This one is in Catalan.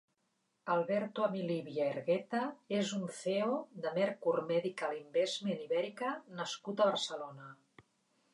Alberto Amilibia Hergueta és un cEO de Mercur Medical Investment Ibérica nascut a Barcelona.